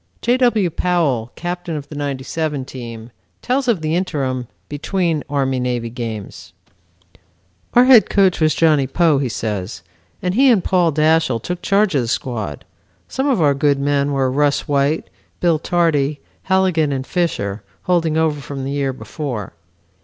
J. W. Powell, captain of the '97 team, tells of the interim between Army Navy games. "Our head coach was Johnny Poe," he says, "and he and Paul Dashiell took charge of the squad. Some of our good men were Rus White, Bill Tardy, Halligan and Fisher, holding over from the year before.